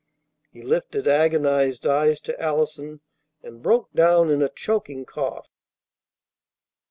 He lifted agonized eyes to Allison, and broke down in a choking cough.